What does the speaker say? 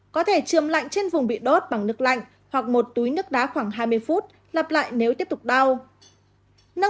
có thể chươm lạnh trên vùng bị đốt bằng nước lạnh hoặc một túi nước đá khoảng hai mươi phút lặp lại nếu tiếp tục đau